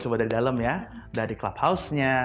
coba dari dalam ya dari clubhouse nya